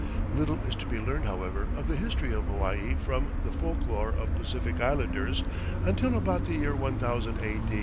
Little is to be learned, however, of the history of Hawaii from the folklore of Pacific Islanders until about the year 1000 A.